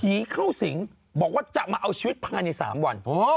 ผีเข้าสิงบอกว่าจะมาเอาชีวิตภายใน๓วัน